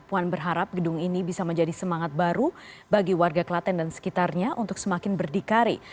puan berharap gedung ini bisa menjadi semangat baru bagi warga klaten dan sekitarnya untuk semakin berdikari